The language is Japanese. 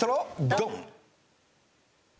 ドン！